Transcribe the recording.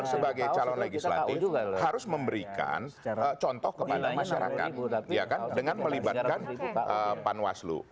kita sebagai calon legislatif harus memberikan contoh kepada masyarakat dengan melibatkan pan waslu